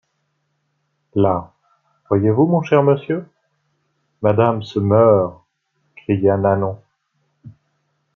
Là, voyez-vous, mon cher monsieur ? madame se meurt, cria Nanon.